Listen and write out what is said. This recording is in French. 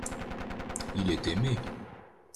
il est aimé.